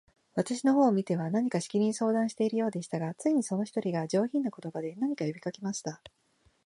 私の方を見ては、何かしきりに相談しているようでしたが、ついに、その一人が、上品な言葉で、何か呼びかけました。